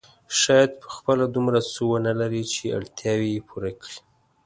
شاید په خپله دومره څه ونه لري چې اړتیاوې پوره کړي.